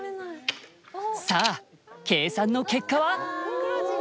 さあ計算の結果は。